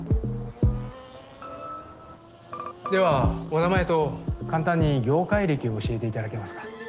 ・ではお名前と簡単に業界歴を教えていただけますか？